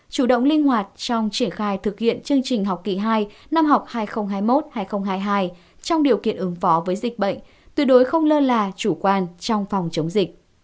chủ động linh hoạt trong triển khai thực hiện chương trình học kỳ hai năm học hai nghìn hai mươi một hai nghìn hai mươi hai trong điều kiện ứng phó với dịch bệnh tuyệt đối không lơ là chủ quan trong phòng chống dịch